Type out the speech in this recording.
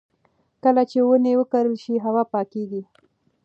کله چې ونې وکرل شي، هوا پاکېږي.